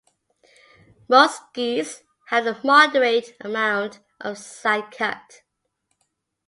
Most skis have a moderate amount of sidecut.